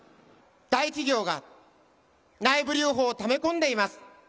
大企業が内部留保をため込んでいます。